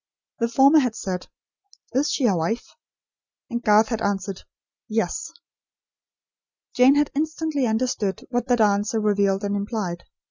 The former had said: "Is she a wife?" And Garth had answered: "Yes." Jane had instantly understood what that answer revealed and implied.